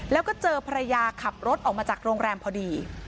แล้วก็เจอภรรยาขับรถออกมาจากโรงแรมพอดี